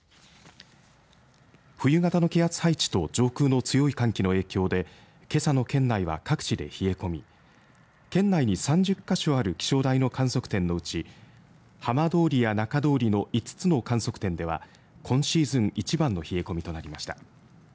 冬型の気圧配置と上空の強い寒気の影響でけさの県内は各地で冷え込み県内に３０か所ある気象台の観測点のうち浜通りや中通りの５つの観測点では今シーズン一番の冷え込みとなりました。